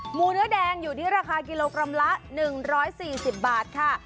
หมูเนื้อแดงอยู่ที่ราคากิโลกรัมละ๑๔๐บาทค่ะ